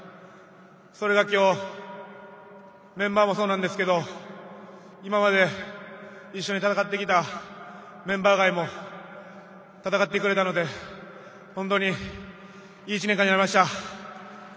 それが今日メンバーもそうなんですけど今まで、一緒に戦ってきたメンバー外も戦ってくれたので本当にいい１年間になりました。